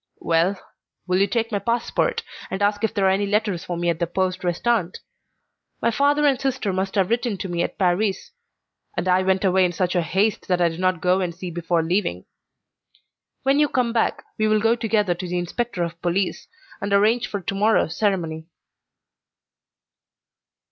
"Well, will you take my passport and ask if there are any letters for me at the poste restante? My father and sister must have written to me at Paris, and I went away in such haste that I did not go and see before leaving. When you come back we will go together to the inspector of police, and arrange for to morrow's ceremony."